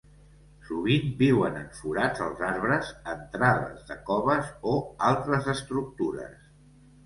Sovint viuen en forats als arbres, entrades de coves o altres estructures.